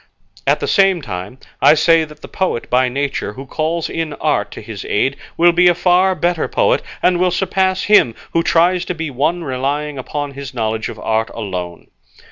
At the same time, I say that the poet by nature who calls in art to his aid will be a far better poet, and will surpass him who tries to be one relying upon his knowledge of art alone.